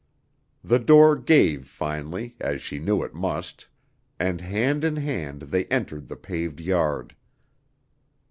The door gave finally, as she knew it must, and hand in hand they entered the paved yard.